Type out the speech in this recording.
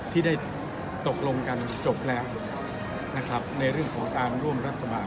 ที่ได้ตกลงกันจบแล้วนะครับในเรื่องของการร่วมรัฐบาล